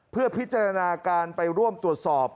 เพื่อพิจารณาการไปร่วมตรวจสอบ